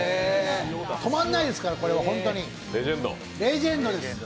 とまんないですから、これはホントに、レジェンドです。